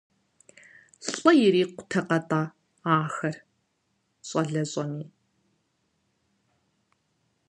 ЛӀы ирикъукъэ-тӀэ ахэр, щӀалэщӀэми!